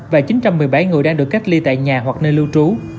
và chín trăm một mươi bảy người đang được cách ly tại nhà hoặc nơi lưu trú